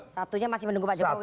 satunya masih menunggu pak jokowi